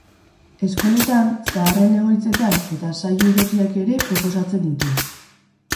Eskoletan, zaharren egoitzetan eta saio irekiak ere proposatzen ditu.